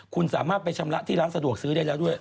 คุณสามารถไปชำระที่ร้านสะดวกซื้อได้แล้วด้วย